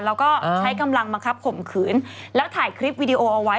แล้วก็ใช้กำลังบังคับข่มขืนแล้วถ่ายคลิปวิดีโอเอาไว้